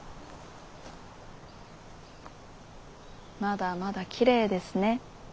まだまだきれいですね。